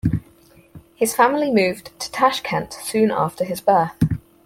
His family moved to Tashkent soon after his birth.